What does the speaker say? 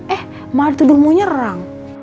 eh mah dituduh mau nyerang